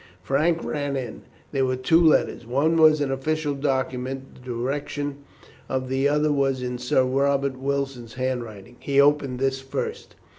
Frank ran in. There were two letters. One was an official document; the direction of the other was in Sir Robert Wilson's handwriting. He opened this first.